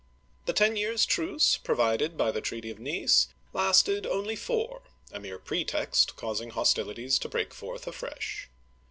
The ten years' truce, provided by the treaty of Nice, lasted only four, a mere pretext causing hostilities to break forth afresh.